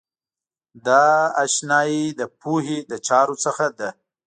دا آشنایۍ د پوهې له چارو څخه ده.